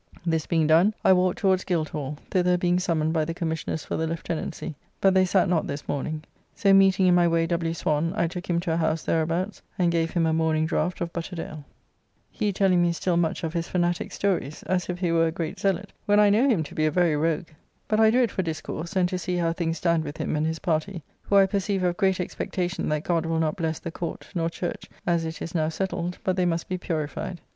This being done, I walked towards Guildhall, thither being summoned by the Commissioners for the Lieutenancy; but they sat not this morning. So meeting in my way W. Swan, I took him to a house thereabouts, and gave him a morning draft of buttered ale; [Buttered ale must have been a horrible concoction, as it is described as ale boiled with lump sugar and spice.] he telling me still much of his Fanatique stories, as if he were a great zealot, when I know him to be a very rogue. But I do it for discourse, and to see how things stand with him and his party; who I perceive have great expectation that God will not bless the Court nor Church, as it is now settled, but they must be purified.